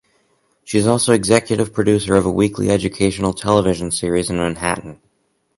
She is also Executive Producer of a weekly educational television series in Manhattan.